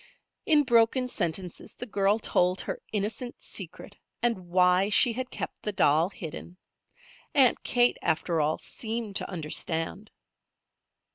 In broken sentences the girl told her innocent secret, and why she had kept the doll hidden. Aunt Kate, after, all, seemed to understand.